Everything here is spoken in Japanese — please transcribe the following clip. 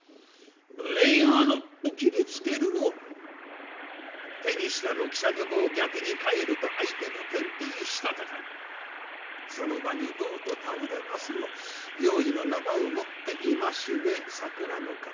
「無礼者！」と斬りつけるも手にした六尺棒を逆に返ると相手の天庭したたかにその場にどうと倒れますを用意の縄を持っていましめ桜の方。